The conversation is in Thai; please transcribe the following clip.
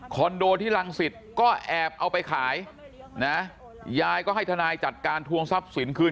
โดที่รังสิตก็แอบเอาไปขายนะยายก็ให้ทนายจัดการทวงทรัพย์สินคืน